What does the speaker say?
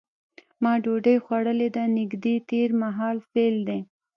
ما ډوډۍ خوړلې ده نږدې تېر مهال فعل دی.